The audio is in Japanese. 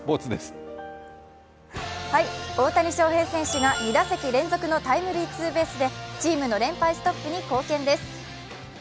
大谷翔平選手が２打席連続タイムリーツーベースでチームの連敗ストップに貢献です。